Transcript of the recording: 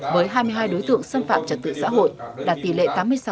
với hai mươi hai đối tượng xâm phạm trật tự xã hội đạt tỷ lệ tám mươi sáu sáu mươi bảy